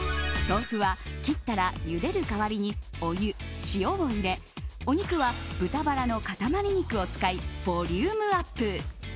豆腐は切ったらゆでる代わりにお湯、塩を入れお肉は豚バラの塊肉を使いボリュームアップ。